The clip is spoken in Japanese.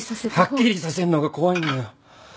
はっきりさせるのが怖いんだよ。